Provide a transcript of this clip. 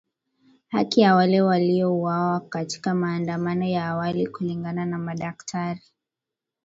Haki kwa wale waliouawa katika maandamano ya awali kulingana na madaktari.